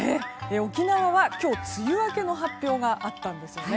沖縄は今日梅雨明けの発表があったんですね。